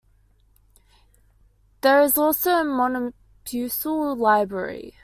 There is also a municipal library.